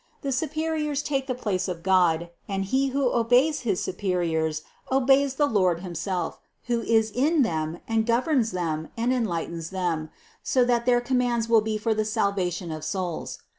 The superiors take the place of God, and he who obeys his superiors, obeys the Lord himself, who is in them and governs them and enlightens them, so that their commands will be for the salvation of souls.